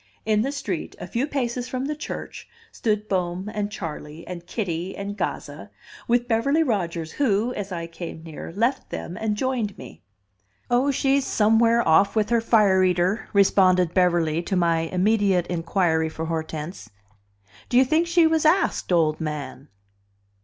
In the street, a few paces from the church, stood Bohm and Charley and Kitty and Gazza, with Beverly Rodgers, who, as I came near, left them and joined me. "Oh, she's somewhere off with her fire eater," responded Beverly to my immediate inquiry for Hortense. "Do you think she was asked, old man?"